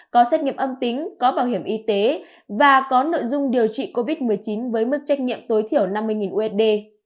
có xét nghiệm âm tính có bảo hiểm y tế và có nội dung điều trị covid một mươi chín với mức trách nhiệm tối thiểu năm mươi usd